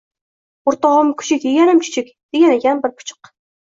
– O‘rtog‘im kuchuk – yeganim chuchuk, deganakan… bir puchuq